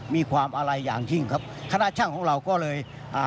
มีความอะไรอย่างยิ่งครับคณะช่างของเราก็เลยอ่า